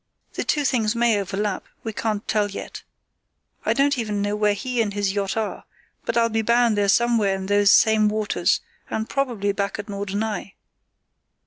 The two things may overlap, we can't tell yet. I don't even know where he and his yacht are; but I'll be bound they're somewhere in those same waters, and probably back at Norderney."